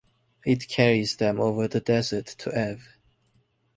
It carries them over the desert to Ev.